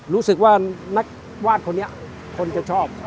รู้สึกว่านักวาดคนนี้คนจะชอบ